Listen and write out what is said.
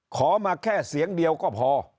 ขอมาแค่เสียงเดียวก็พอ